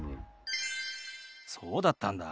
そうだったんだ。